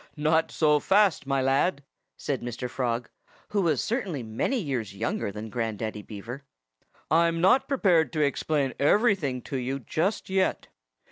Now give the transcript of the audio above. "Not so fast, my lad!" said Mr. Frog, who was certainly many years younger than Grandaddy Beaver. "I'm not prepared to explain everything to you just yet.